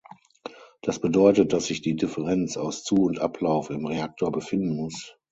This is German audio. Das bedeutet, dass sich die Differenz aus Zu- und Ablauf im Reaktor befinden muss.